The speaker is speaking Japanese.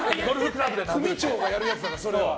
組長がやるやつだから、それ。